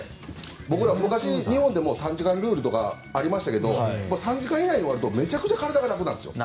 僕ら、日本でも３時間ルールとかありましたが３時間以内に終わるとめちゃくちゃ体が楽なんですよ。